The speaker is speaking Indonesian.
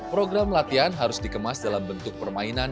program latihan harus dikemas dalam bentuk permainan